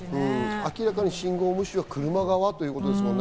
明らかに信号無視は車側ということですからね。